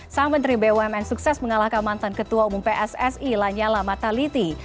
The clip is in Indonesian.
sang menteri bumn sukses mengalahkan mantan ketua umum pssi lanyala mataliti